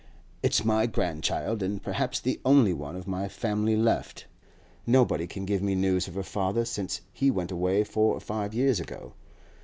It's my grandchild, and perhaps the only one of my family left; nobody can give me news of her father since he went away four or five years ago.